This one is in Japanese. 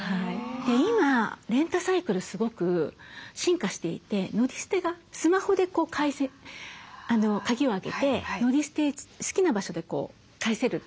今レンタサイクルすごく進化していて乗り捨てがスマホで開栓鍵を開けて乗り捨て好きな場所で返せるというようなものも結構あるので。